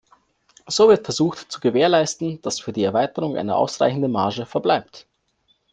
So wird versucht, zu gewährleisten, dass für die Erweiterung eine ausreichende Marge verbleibt.